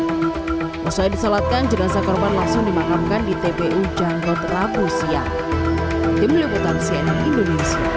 selesai diselatkan jenazah korban langsung dimakamkan di tpu janggut rabu siang